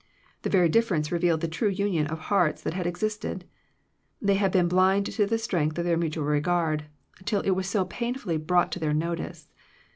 The very difference revealed the true union of hearts that had existed. They had been blind to the strength of their mutual regard, till it was so painfully brought to their notice.